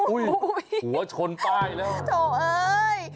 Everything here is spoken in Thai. อุ๊ยหัวชนป้ายแล้วโถ่เอ้ย